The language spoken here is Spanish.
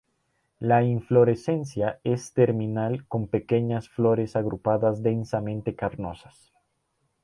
La inflorescencia es terminal con pequeñas flores agrupadas densamente carnosas.